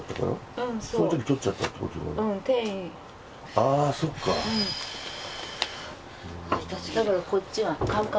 ああそっか。